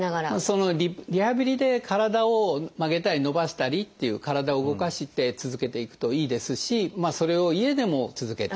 リハビリで体を曲げたり伸ばしたりという体を動かして続けていくといいですしそれを家でも続けていく。